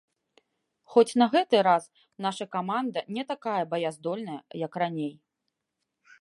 Хоць на гэты раз наша каманда не такая баяздольная, як раней.